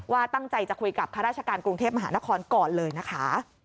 ว่าตั้งใจจะคุยกับข้าราชการกรุงเทพมหานครก่อนเลยนะคะ